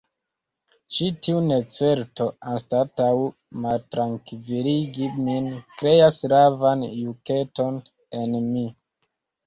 Ĉi tiu necerto, anstataŭ maltrankviligi min, kreas ravan juketon en mi.